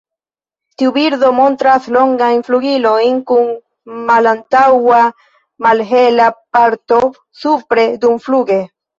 Tiu birdo montras longajn flugilojn kun malantaŭa malhela parto supre dumfluge.